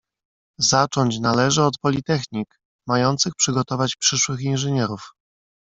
"Zacząć należy od politechnik, mających przygotować przyszłych inżynierów."